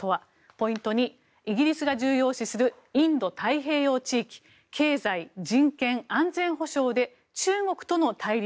ポイント２、イギリスが重要視するインド太平洋地域経済・人権・安全保障で中国との対立